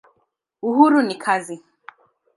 Uhuru ni kazi.